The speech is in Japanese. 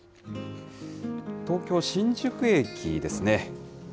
東京・新宿駅ですね。